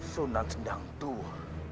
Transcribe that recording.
sunan sendang tua